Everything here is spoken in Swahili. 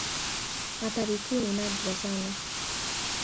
Athari kuu ni nadra sana.